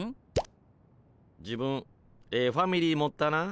自分ええファミリー持ったな。